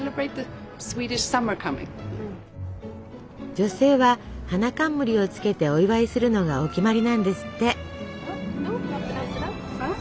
女性は花冠をつけてお祝いするのがお決まりなんですって。